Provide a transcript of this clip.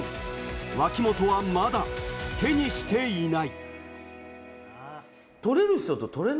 脇本はまだ手にしていない。